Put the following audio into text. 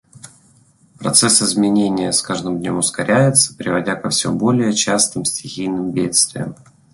Процесс изменения с каждым днем ускоряется, приводя ко все более частым стихийным бедствиям.